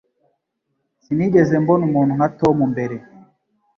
Sinigeze mbona umuntu nka Tom mbere.